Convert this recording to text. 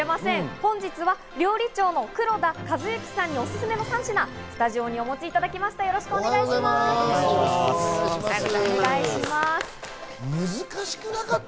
本日は料理長の黒田一行さんにおすすめの３品をスタジオにお持ちいただきました。